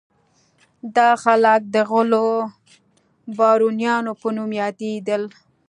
دا خلک د غلو بارونیانو په نوم یادېدل.